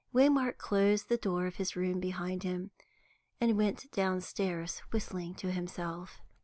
Waymark closed the door of his room behind him, and went downstairs, whistling to himself.